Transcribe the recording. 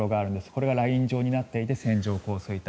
これがライン状になっていて線状降水帯。